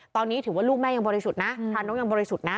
ตอนนี้ถือว่าลูกแม่ยังบริสุทธิ์นะพระนกยังบริสุทธิ์นะ